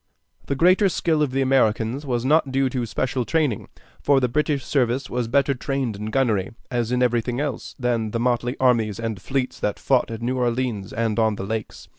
The greater skill of the Americans was not due to special training; for the British service was better trained in gunnery, as in everything else, than the motley armies and fleets that fought at New Orleans and on the Lakes.